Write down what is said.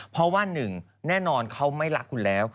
เพราะว่าหนึ่งแน่นอนเขาไม่รักคุณแล้ว